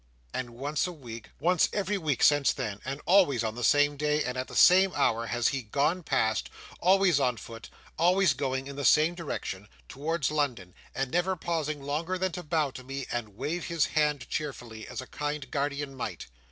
"And once a week—" "Once every week since then, and always on the same day, and at the same hour, he his gone past; always on foot; always going in the same direction—towards London; and never pausing longer than to bow to me, and wave his hand cheerfully, as a kind guardian might.